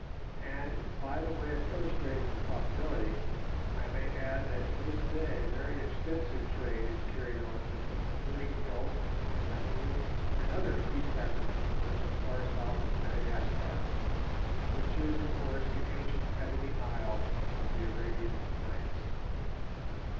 And, by the way of illustrating the probability, I may add that to this day a very extensive trade is carried on between the Persian Gulf and Lamu and other East African ports as far south as Madagascar, which is of course the ancient Ebony Isle of the "Arabian Nights".